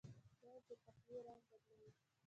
پیاز د پخلي رنګ بدلوي